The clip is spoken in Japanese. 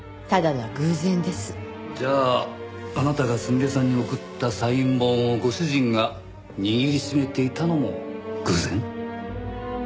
じゃああなたがすみれさんに贈ったサイン本をご主人が握りしめていたのも偶然？